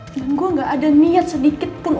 dan gue gak ada niat sedikit pun